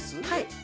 はい。